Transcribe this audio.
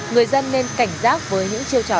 người dân nên cảnh giác với những chiêu trọng